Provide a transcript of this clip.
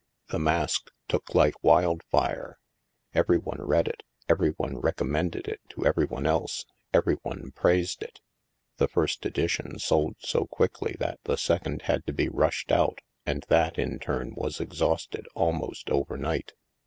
" The Mask *' took like wildfire. Every one read it, every one recommended it to every one else, every one praised it. The first edition sold so quickly that the second had to be rushed out, and that, in turn, was exhausted almost over night.